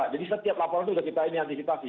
jadi setiap laporan itu udah kita antisipasi